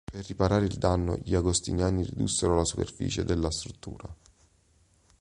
Per riparare il danno, gli agostiniani ridussero la superficie della struttura.